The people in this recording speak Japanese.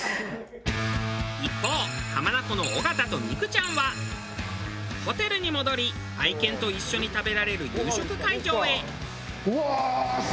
一方浜名湖の尾形と三九ちゃんはホテルに戻り愛犬と一緒に食べられる夕食会場へ。